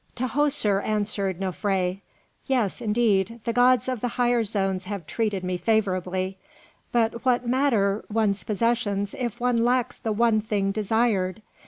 Tahoser answered Nofré: "Yes, indeed, the gods of the higher zones have treated me favourably. But what matter one's possessions if one lacks the one thing desired?